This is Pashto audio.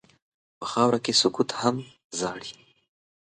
په خاوره کې سکوت هم ژاړي.